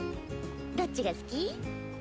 どっちが好き？